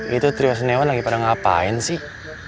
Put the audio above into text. itu trio senewan lagi pada ngapain sih